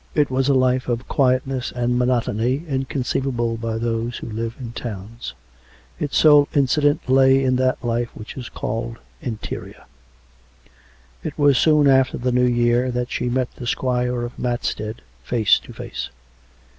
It was a life of quietness and monotony inconceivable by those who live in towns. Its sole incident lay in that life which is called Interior. ... It was soon after the New Year that she met the squire of Matstead face to face.